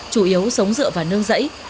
chủ yếu sống dựa và nương dẫy